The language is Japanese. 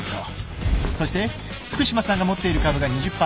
そして福島さんが持っている株が２０％。